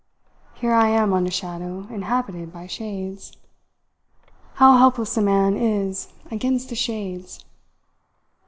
Here I am on a Shadow inhabited by Shades. How helpless a man is against the Shades!